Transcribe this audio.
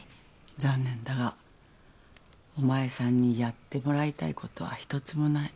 残念だがお前さんにやってもらいたいことは一つもない。